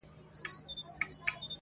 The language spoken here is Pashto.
په كوڅو كي يې زموږ پلونه بېګانه دي٫